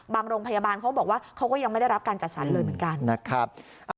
โรงพยาบาลเขาบอกว่าเขาก็ยังไม่ได้รับการจัดสรรเลยเหมือนกันนะครับ